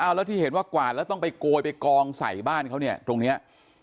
แล้วที่เห็นว่ากวาดแล้วต้องไปโกยไปกองใส่บ้านเขาเนี่ยตรงนี้